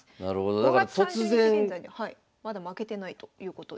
５月３０日現在でまだ負けてないということです。